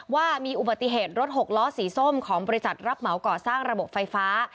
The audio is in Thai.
ว่ามีอุบัติเหตุรถหกล้อสีส้มของบริษัทรับเหมาก่อสร้างระบบไฟฟ้า